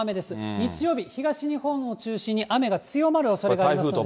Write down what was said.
日曜日、東日本を中心に雨が強まるおそれがあります。